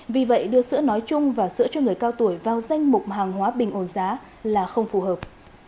vì vậy đưa sữa nói chung và sữa cho người cao tuổi vào danh mục hàng hóa bình ổn giá là không phù hợp